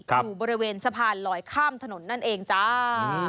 อยู่บริเวณสะพานลอยข้ามถนนนั่นเองจ้า